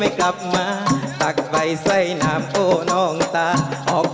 ฮรีรายโยแท่เดิมบินแบบสาอิงหาดูหมอ